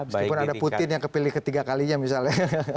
meskipun ada putin yang kepilih ketiga kalinya misalnya